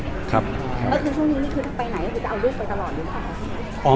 ช่วงนี้นี่คือไปไหนหรือจะเอาเรื่องไปตลอดหรือเปล่า